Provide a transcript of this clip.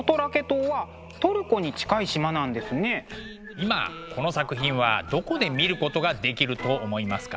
今この作品はどこで見ることができると思いますか？